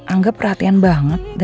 angga pernah ngerasa seperti itu